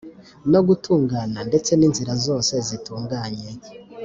no gutungana ndetse n’inzira zose zitunganye